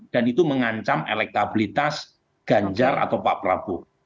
dan itu mengancam elektabilitas ganjar atau pak prabowo